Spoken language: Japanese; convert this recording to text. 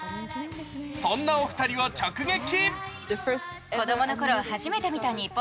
そんなお二人を直撃。